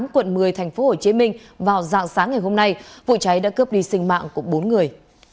quận một mươi tp hcm vào dạng sáng ngày hôm nay vụ cháy đã cướp đi sinh mạng của bốn người